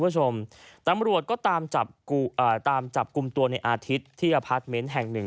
ตำรวจก็ตามจับกลุ่มตัวในอาทิตย์ที่อพาร์ทเมนต์แห่งหนึ่ง